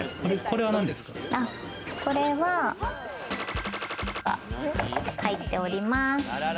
これはが入っております。